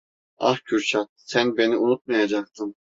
Ah Kürşad, sen beni unutmayacaktın…